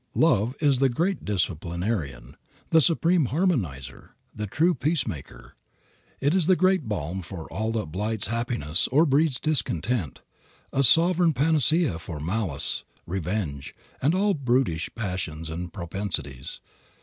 Love is the great disciplinarian, the supreme harmonizer, the true peacemaker. It is the great balm for all that blights happiness or breeds discontent, a sovereign panacea for malice, revenge, and all brutish passions and propensities.